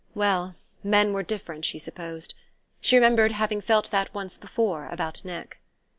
Well, men were different, she supposed; she remembered having felt that once before about Nick.